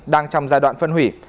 đang trong giai đoạn phân hủy